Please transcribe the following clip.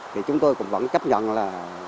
thì chúng tôi cũng vẫn chấp nhận là